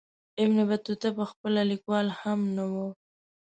ابن بطوطه پخپله لیکوال هم نه وو.